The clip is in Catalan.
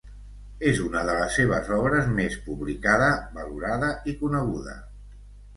És una de les seves obres més publicada, valorada i coneguda.